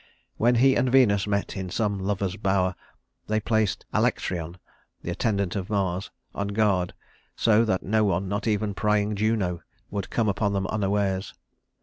When he and Venus met in some lover's bower, they placed Alectryon the attendant of Mars on guard, so that no one, not even prying Juno, would come upon them unawares.